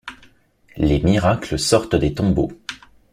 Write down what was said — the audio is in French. Les miracles sortent des tombeaux.